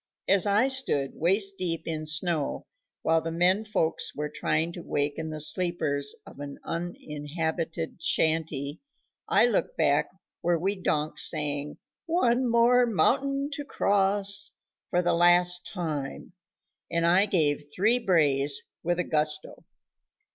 As I stood waist deep in snow while the men folks were trying to waken the sleepers of an uninhabited shanty, I looked back where we donks sang "One More Mountain to Cross" for the last time, and I gave three brays with a gusto.